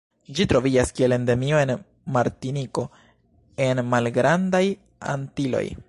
Ĝi troviĝas kiel endemio en Martiniko en Malgrandaj Antiloj.